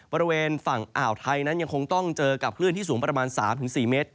บริเวณฝั่งอ่าวไทยนั้นยังคงต้องเจอกับคลื่นที่สูงประมาณ๓๔เมตร